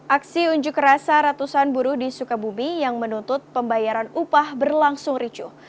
aksi unjuk rasa ratusan buruh di sukabumi yang menuntut pembayaran upah berlangsung ricuh